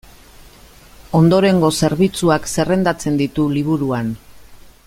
Ondorengo zerbitzuak zerrendatzen ditu liburuan.